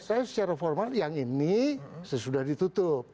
saya secara formal yang ini sesudah ditutup